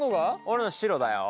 俺の白だよ。